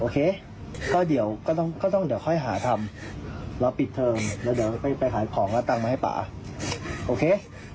ก็ต้องเดี๋ยวค่อยหาทำแล้วปิดเทอมแล้วไปขายของแล้วตั้งมาให้ป่าโอเค